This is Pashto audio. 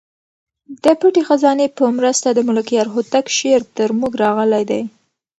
د پټې خزانې په مرسته د ملکیار هوتک شعر تر موږ راغلی دی.